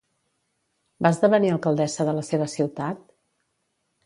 Va esdevenir alcaldessa de la seva ciutat?